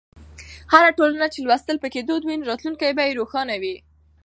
هره ټولنه چې لوستل پکې دود وي، راتلونکی یې روښانه وي.